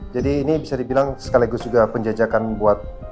jadi ini bisa dibilang sekaligus juga penjajakan buat